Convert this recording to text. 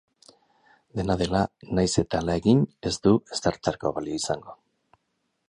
Dena dela, nahiz eta hala egin, ez du ezertarako balio izango.